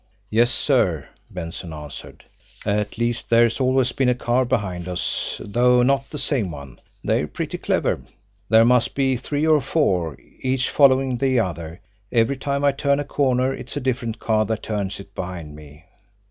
"Yes, sir." Benson answered. "At least, there's always been a car behind us, though not the same one. They're pretty clever. There must be three or four, each following the other. Every time I turn a corner it's a different car that turns it behind me."